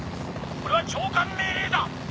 これは長官命令だ！